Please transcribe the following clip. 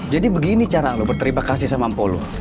jadi begini cara lu berterima kasih sama ampun lu